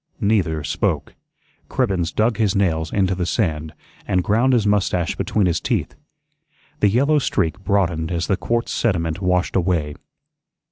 Neither spoke. Cribbens dug his nails into the sand, and ground his mustache between his teeth. The yellow streak broadened as the quartz sediment washed away.